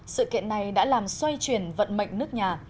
sự kiện này đã làm xoay chuyển vận mệnh nước nhà